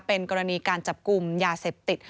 เป็นกรณีการจับกลุ่มยาเสพติด